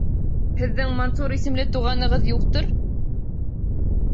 Һеҙҙең Мансур исемле туғанығыҙ юҡтыр?